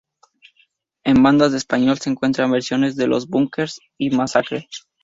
En bandas en español se encuentran versiones de Los Bunkers y Massacre.